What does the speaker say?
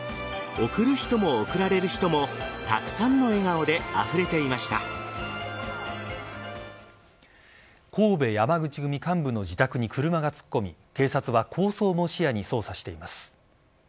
贈る人も贈られる人もたくさんの笑顔で神戸山口組幹部の自宅に車が突っ込み警察は抗争も視野に捜査しています。